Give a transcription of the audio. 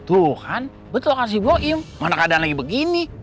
tuh kan betul kasih bohong mana keadaan lagi begini